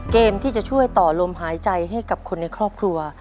เกมที่จะช่วยต่อลมหายใจให้กับคนในครอบครัว